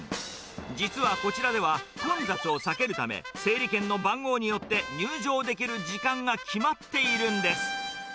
実はこちらでは、混雑を避けるため、整理券の番号によって入場できる時間が決まっているんです。